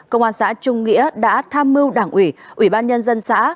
công an xã trung nghĩa đã tham mưu đảng ủy ủy ban nhân dân xã